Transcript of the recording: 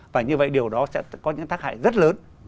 và như vậy điều đó sẽ có những tác hại rất lớn